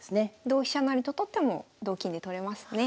同飛車成と取っても同金で取れますね。